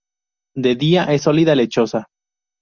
De día es sólida, lechosa.